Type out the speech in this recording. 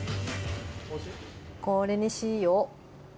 これにしよう。